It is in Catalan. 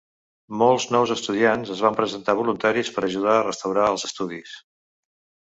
Molts nous estudiants es van presentar voluntaris per ajudar a restaurar els estudis.